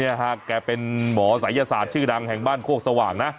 ฮะแกเป็นหมอศัยศาสตร์ชื่อดังแห่งบ้านโคกสว่างนะ